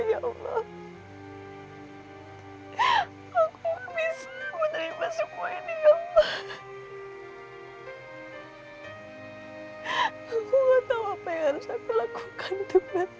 ibu tau benar benar kalian